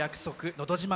「のど自慢」